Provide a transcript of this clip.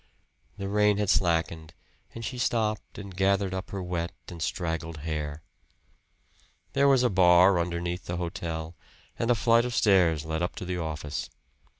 The rain had slackened and she stopped and gathered up her wet and straggled hair. There was a bar underneath the hotel, and a flight of stairs led up to the office.